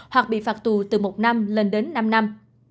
hoặc bị phạt tù từ một năm lên đến năm năm